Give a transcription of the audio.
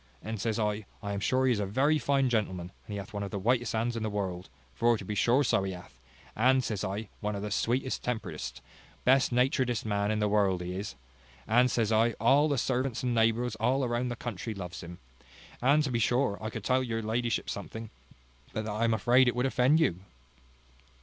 And, says I, I am sure he is a very fine gentleman; and he hath one of the whitest hands in the world; for to be sure so he hath: and, says I, one of the sweetest temperedest, best naturedest men in the world he is; and, says I, all the servants and neighbours all round the country loves him. And, to be sure, I could tell your ladyship something, but that I am afraid it would offend you."